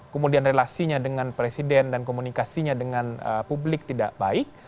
komunikasinya dengan presiden dan komunikasinya dengan publik tidak baik